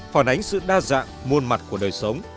phản ánh sự đa dạng muôn mặt của đời sống